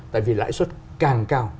tại vì lãi suất càng cao